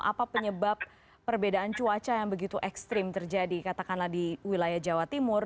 apa penyebab perbedaan cuaca yang begitu ekstrim terjadi katakanlah di wilayah jawa timur